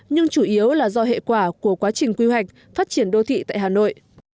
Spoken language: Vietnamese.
nhưng chủ yếu là do hệ quả của quá trình quy hoạch phát triển đô thị tại hà nội